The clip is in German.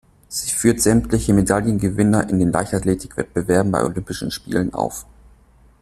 Sie führt sämtliche Medaillengewinner in den Leichtathletikwettbewerben bei Olympischen Spielen auf.